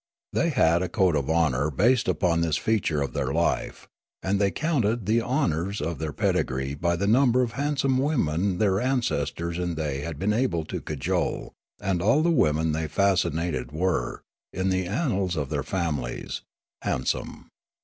They had a code of honour based upon this feature of their life, and they counted the honours of their pedigree by the number of handsome women their ancestors and they had been able to cajole ; and all the women they fa.s cinated were, in the annals of their families, handsome.